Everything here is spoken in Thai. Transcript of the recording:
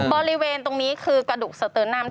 บริเวณตรงนี้คือกระดูกสเตอร์นัม